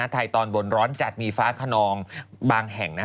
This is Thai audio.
ตอนบนร้อนจัดมีฟ้าขนองบางแห่ง